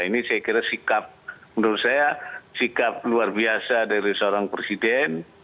ini saya kira sikap menurut saya sikap luar biasa dari seorang presiden